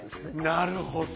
なるほど！